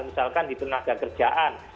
misalkan di tenaga kerjaan